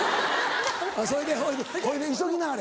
それでそれでほいで急ぎなはれ